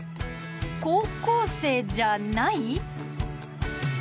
高校生じゃない？